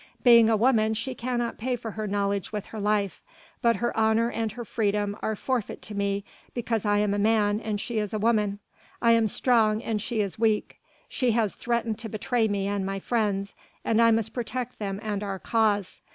Being a woman she cannot pay for her knowledge with her life; but her honour and her freedom are forfeit to me because I am a man and she a woman. I am strong and she is weak; she has threatened to betray me and my friends and I must protect them and our cause.